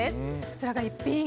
こちらが逸品。